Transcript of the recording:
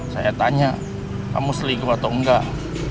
saya tanya kamu selingkuh atau enggak